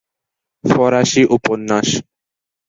ফরাসি উপন্যাস।